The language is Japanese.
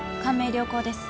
良好です。